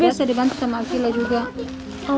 biasanya dibantu sama akhila juga